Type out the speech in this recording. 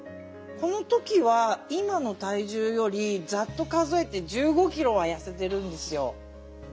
この時は今の体重よりざっと数えて１５キロは痩せてるんですよ。